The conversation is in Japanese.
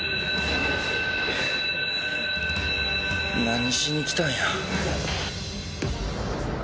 何しに来たんや。